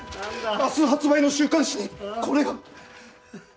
明日発売の週刊誌にこれが。